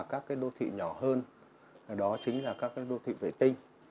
các đô thị nhỏ hơn đó chính là các đô thị vệ tinh